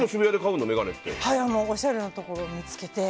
おしゃれなところ見つけて。